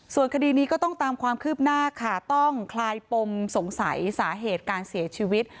ส่วนคดีนี้ก็ต้องตามความคืบหน้าค่ะต้องคลายปมสงสัยสาเหตุการเสียชีวิต